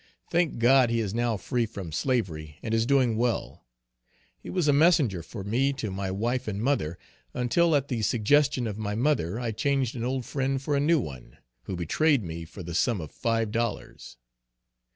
Thank God he is now free from slavery, and is doing well. He was a messenger for me to my wife and mother, until at the suggestion of my mother, I changed an old friend for a new one, who betrayed me for the sum of five dollars.